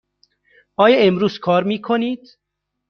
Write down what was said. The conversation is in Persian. آیا امروز کار می کنید؟